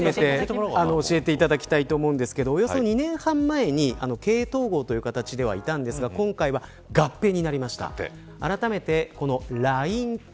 そのあたりもどうなっていくのかも含めて教えていただきたいと思うんですけどおよそ２年半前に経営統合という形ではいたんですが今回は、合併になりました。